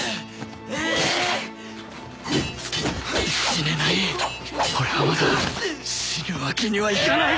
死ねない俺はまだ死ぬわけにはいかない！